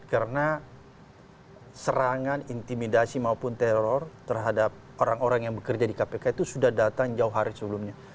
karena serangan intimidasi maupun teror terhadap orang orang yang bekerja di kpk itu sudah datang jauh hari sebelumnya